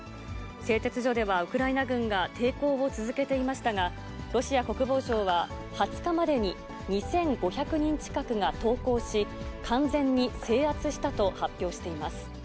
製鉄所ではウクライナ軍が抵抗を続けていましたが、ロシア国防省は、２０日までに２５００人近くが投降し、完全に制圧したと発表しています。